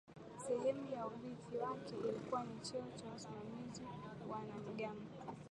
Sehemu ya urithi wake ilikuwa ni cheo cha usimamizi wa wanamgambo